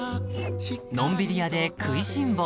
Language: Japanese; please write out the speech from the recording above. ［のんびり屋で食いしん坊］